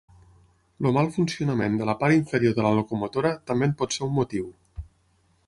El mal funcionament de la part inferior de la locomotora també en pot ser un motiu.